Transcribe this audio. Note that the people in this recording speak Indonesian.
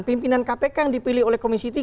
pimpinan kpk yang dipilih oleh komisi tiga